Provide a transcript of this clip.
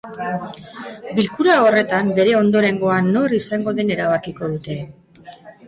Bilkura horretan bere ondorengoa nor izango den erabakiko dute.